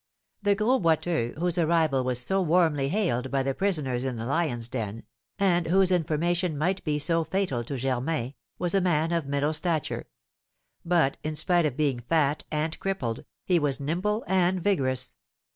The Gros Boiteux, whose arrival was so warmly hailed by the prisoners in the lions' den, and whose information might be so fatal to Germain, was a man of middle stature; but, in spite of being fat and crippled, he was nimble and vigorous.